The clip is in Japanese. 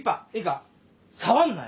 触んなよ。